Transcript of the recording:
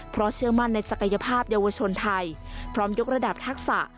เพราะเชื่อมั่นในศักยภาพเยาวชนไทยพร้อมยกระดับทักษะ